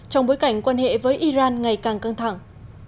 trong bối cảnh quan hệ với iran ngày càng căng thẳng